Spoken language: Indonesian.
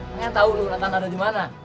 pengen tau lu nathan ada di mana